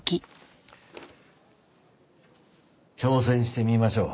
挑戦してみましょう。